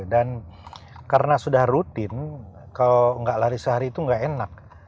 dan karena sudah rutin kalau nggak lari sehari itu nggak enak